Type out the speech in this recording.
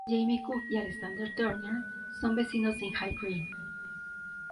Jamie Cook y Alex Turner son vecinos en High Green.